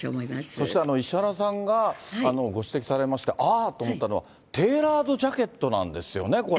そして石原さんがご指摘されました、ああと思ったのは、テーラードジャケットなんですよね、これ。